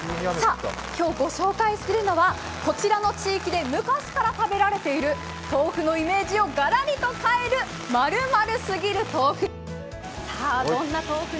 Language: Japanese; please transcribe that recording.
今日ご紹介するのはこちらの地域で昔から食べられている、豆腐のイメージをガラリと変える○○すぎる豆腐。